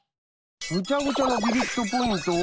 ぐちゃぐちゃのビビットポイント？